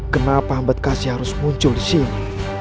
kenapa ambat kasih harus muncul disini